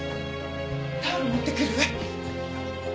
タオル持ってくるわ。